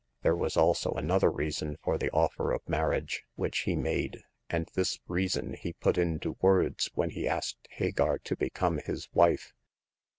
There was also another reason for the offer of marriage which he made, and this reason he put into words when he asked Hagar to become his wife.